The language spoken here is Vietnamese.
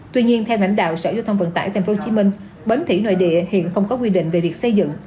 tuy nhiên theo lãnh đạo sở giao thông vận tải tp hcm bến thủy nội địa hiện không có quy định về việc xây dựng